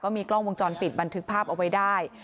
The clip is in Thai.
มีกล้องวงจรปิดบันทึกภาพเอาไว้ได้